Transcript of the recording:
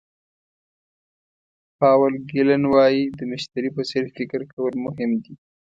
پاول ګیلن وایي د مشتري په څېر فکر کول مهم دي.